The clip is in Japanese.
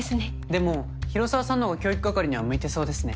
でも広沢さんのほうが教育係には向いてそうですね。